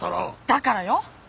だからよ。